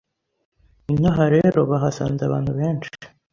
inaha rero bahasanze abantu benshi